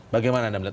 bagaimana anda melihat